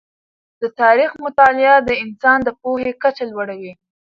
د تاریخ مطالعه د انسان د پوهې کچه لوړوي.